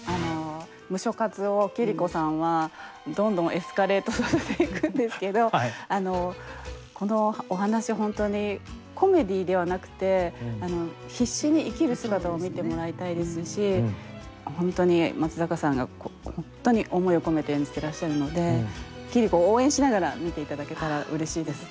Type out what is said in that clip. ムショ活を桐子さんはどんどんエスカレートさせていくんですけどこのお話本当にコメディーではなくて必死に生きる姿を見てもらいたいですし本当に松坂さんが本当に思いを込めて演じてらっしゃるので桐子を応援しながら見て頂けたらうれしいです。